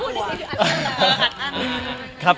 อีกภาพ